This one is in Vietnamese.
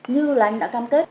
như là anh đã cam kết